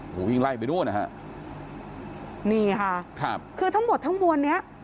โอ้โหวิ่งไล่ไปนู่นนะฮะนี่ค่ะครับคือทั้งหมดทั้งมวลเนี้ย